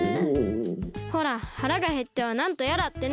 ほらはらがへってはなんとやらってね。